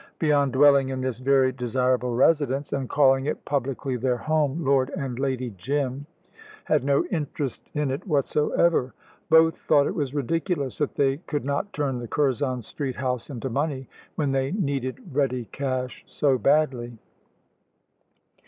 Beyond dwelling in this very desirable residence, and calling it publicly their home, Lord and Lady Jim had no interest in it whatsoever. Both thought it was ridiculous that they could not turn the Curzon Street house into money, when they needed ready cash so badly.